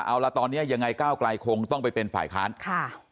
เอาละตอนนี้ยังไงก้าวไกลคงต้องไปเป็นฝ่ายค้านค่ะ